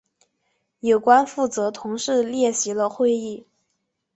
有关负责同志列席了会议。